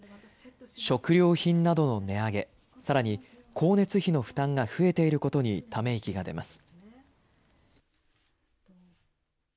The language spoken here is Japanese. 食料品などの値上げ、さらに光熱費の負担が増えていることに、ため息が出ます。